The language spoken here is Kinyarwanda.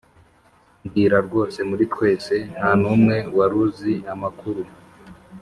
mbwira rwose muri twese ntanumwe waruzi amakuru